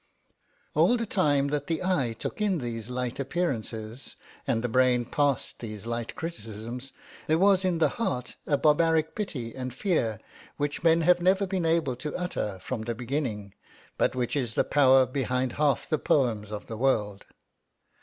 All the time that the eye took in these light appearances and the brain passed these light criticisms, there was in the heart a barbaric pity and fear which men have never been able to utter from the beginning, but which is the power behind half the poems of the world.